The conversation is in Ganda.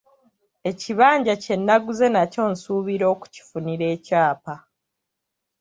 Ekibanja kye nnaguze nakyo nsuubira okukifunira ekyapa.